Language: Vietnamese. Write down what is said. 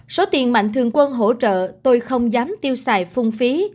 số tiền mạnh thường quân hỗ trợ tôi không dám tiêu xài phung phí